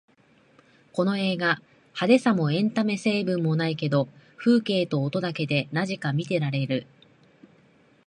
この映画、派手さもエンタメ成分もないけど風景と音だけでなぜか見ていられる